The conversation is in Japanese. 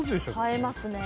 映えますね。